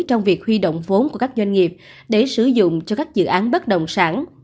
trong việc huy động vốn của các doanh nghiệp để sử dụng cho các dự án bất động sản